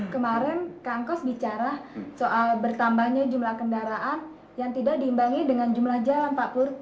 kemarin kang kos bicara soal bertambahnya jumlah kendaraan yang tidak diimbangi dengan jumlah jalan pak pur